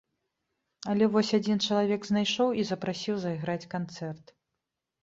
Але вось адзін чалавек знайшоў і запрасіў зайграць канцэрт.